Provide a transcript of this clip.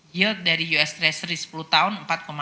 yield dari us treasury sepuluh tahun empat enam puluh empat